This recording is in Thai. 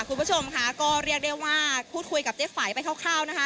คุณผู้ชมค่ะก็เรียกได้ว่าพูดคุยกับเจ๊ไฝไปคร่าวนะคะ